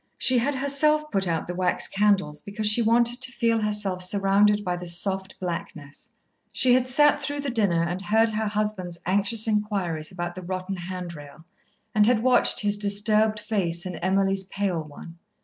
She had herself put out the wax candles, because she wanted to feel herself surrounded by the soft blackness. She had sat through the dinner and heard her husband's anxious inquiries about the rotten handrail, and had watched his disturbed face and Emily's pale one.